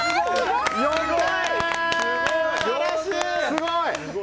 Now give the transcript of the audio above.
すごい！